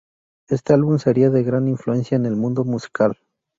Este álbum sería de gran influencia en el mundo musical.